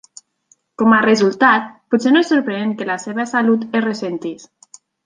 Com a resultat, potser no és sorprenent que la seva salut es ressentís.